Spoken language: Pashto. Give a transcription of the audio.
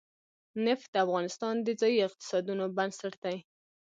نفت د افغانستان د ځایي اقتصادونو بنسټ دی.